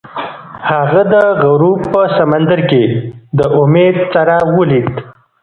هغه د غروب په سمندر کې د امید څراغ ولید.